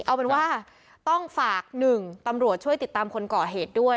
เอาเป็นว่าต้องฝากหนึ่งตำรวจช่วยติดตามคนก่อเหตุด้วย